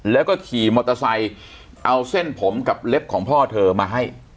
แล้วก็ขี่มอเตอร์ไซค์เอาเส้นผมกับเล็บของพ่อเธอมาให้